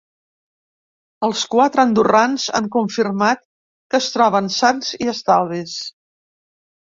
Els quatre andorrans han confirmat que es troben sans i estalvis.